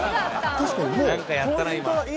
なんかやったな今。